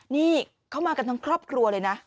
นี่เขามากันทั้งครอบครัวเลยนะ